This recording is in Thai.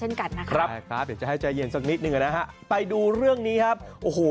ให้ใจเย็นสักนิดหนึ่งนะฮะไปดูเรื่องนี้ครับโอ้โห